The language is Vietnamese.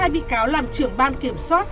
hai bị cáo làm trưởng ban kiểm soát